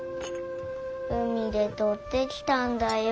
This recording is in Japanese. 海でとってきたんだよ。